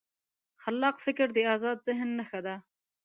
خلاق فکر د ازاد ذهن نښه ده.